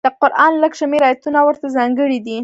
د قران لږ شمېر ایتونه ورته ځانګړي دي.